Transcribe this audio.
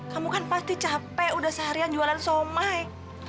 kamu kan pasti capek udah seharian jualan somai